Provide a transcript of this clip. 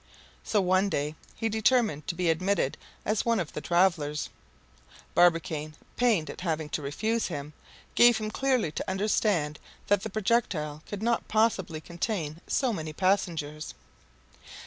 So one day he determined to be admitted as one of the travelers. Barbicane, pained at having to refuse him, gave him clearly to understand that the projectile could not possibly contain so many passengers.